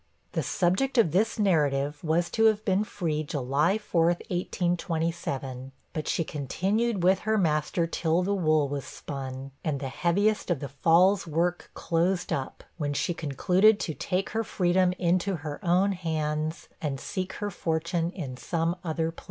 The subject of this narrative was to have been free July 4, 1827, but she continued with her master till the wool was spun, and the heaviest of the 'fall's work' closed up, when she concluded to take her freedom into her own hands, and seek her fortune in some other place.